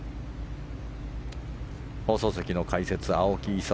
放送席の解説は青木功